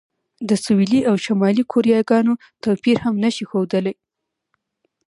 د سویلي او شمالي کوریاګانو توپیر هم نه شي ښودلی.